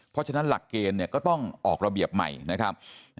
เพราะฉะนั้นหลักเกณฑ์เนี่ยก็ต้องออกระเบียบใหม่นะครับ